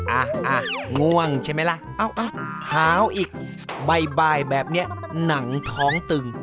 อ่ะง่วงใช่ไหมล่ะเอ้าหาวอีกบ่ายแบบนี้หนังท้องตึง